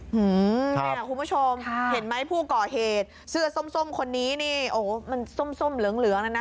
หืมคุณผู้ชมค่ะเห็นไหมผู้ก่อเหตุเสือส้มส้มคนนี้นี่โอ้มันส้มส้มเหลืองเหลืองนะนะ